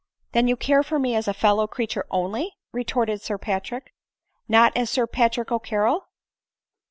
" Then you care for me as a fellow creature only," retorted Sir Patrick, " not as Sir Patrick CCarrol